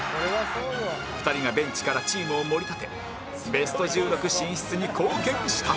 ２人がベンチからチームを盛り立てベスト１６進出に貢献した